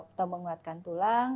untuk menguatkan tulang